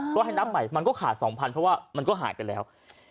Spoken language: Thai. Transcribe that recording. ก็ให้นับใหม่มันก็ขาด๒๐๐เพราะว่ามันก็หายไปแล้ว